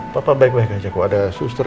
papa baik baik aja kok ada suster